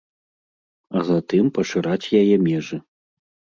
А затым пашыраць яе межы.